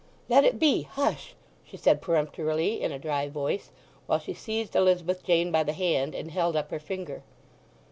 "Let it be—hush!" she said peremptorily, in a dry voice, while she seized Elizabeth Jane by the hand, and held up her finger.